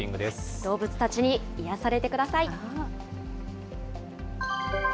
動物たちに癒やされてください。